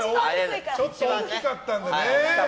ちょっと大きかったんでね